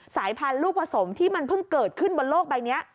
สายพันธุ์ลูกผสมที่มันเพิ่งเกิดขึ้นบนโลกใบนี้